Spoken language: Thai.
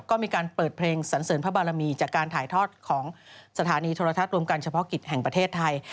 ก็มีการเปิดเพลงสันเสริญพระบารมีจากการถ่ายทอดของสถานีโทรทัศน์รวมการเฉพาะกิจแห่งประเทศไทย